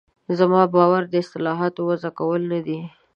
زما باور د اصطلاحاتو وضع کول نه دي.